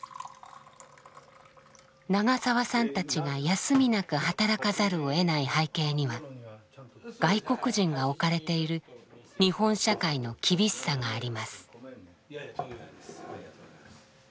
長澤さんたちが休みなく働かざるをえない背景には外国人が置かれている日本社会の厳しさがあります。